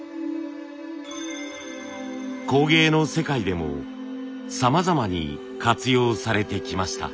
工芸の世界でもさまざまに活用されてきました。